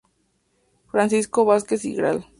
Francisco Vásquez y Gral.